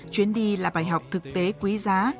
chuyến đi là bài học thực tế quý giá